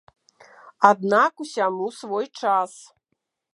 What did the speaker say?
Аднак усяму свой час.